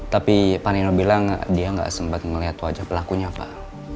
tapi panino bilang dia gak sempat melihat wajah pelakunya pak